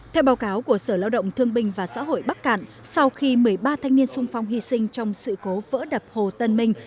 theo báo cáo của sở lao động thương binh và xã hội bắc cạn sau khi một mươi ba thanh niên sung phong hy sinh trong sự cố vỡ đập hồ tân minh